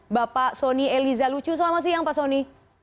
bapak soni eliza lucu selamat siang pak soni